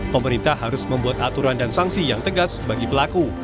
pemerintah harus membuat aturan dan sanksi yang tegas bagi pelaku